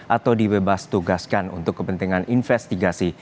atau dibebas tugaskan untuk kepentingan investigasi